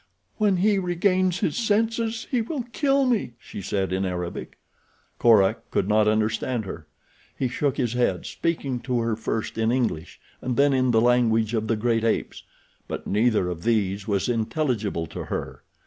"When he regains his senses he will kill me," she said, in Arabic. Korak could not understand her. He shook his head, speaking to her first in English and then in the language of the great apes; but neither of these was intelligible to her.